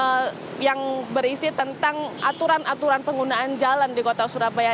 pemerintahan kota surabaya nomor tujuh tahun dua ribu dimana yang berisi tentang aturan aturan penggunaan jalan di kota surabaya